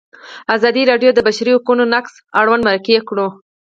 ازادي راډیو د د بشري حقونو نقض اړوند مرکې کړي.